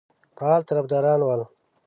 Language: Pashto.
فعال طرفداران ول.